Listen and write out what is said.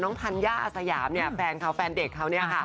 น้องพันยาอสยามเนี่ยแฟนเด็กเขาเนี่ย